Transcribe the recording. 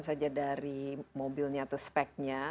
saja dari mobilnya atau speknya